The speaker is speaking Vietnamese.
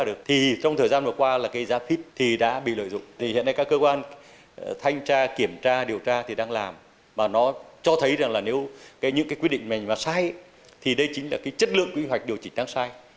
được quy hoạch điều chỉnh đáng sai